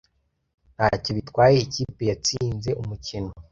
Ntacyo bitwaye ikipe yatsinze umukino.